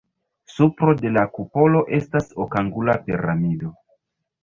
Supro de la kupolo estas okangula piramido.